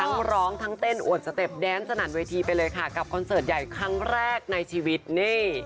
ร้องทั้งเต้นอวดสเต็ปแดนสนั่นเวทีไปเลยค่ะกับคอนเสิร์ตใหญ่ครั้งแรกในชีวิตนี่